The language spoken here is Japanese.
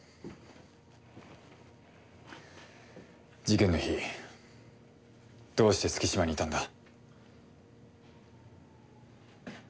事件の日どうして月島にいたんだ？